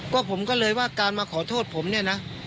ก็ผมก็เลยว่าการมาขอโทษผมเนี่ยนะ